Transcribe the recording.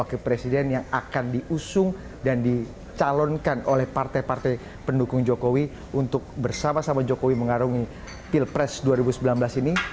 dan bagaimana penyelesaian presiden yang akan diusung dan dicalonkan oleh partai partai pendukung jokowi untuk bersama sama jokowi mengarungi pilpres dua ribu sembilan belas ini